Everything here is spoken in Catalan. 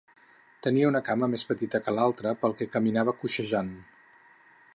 Tenia una cama més petita que l'altra pel que caminava coixejant.